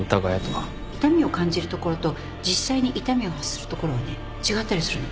痛みを感じる所と実際に痛みを発する所はね違ったりするの